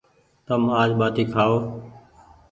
تم آج ٻآٽي کآيو ۔